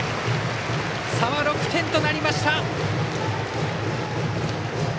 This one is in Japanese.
差は６点となりました。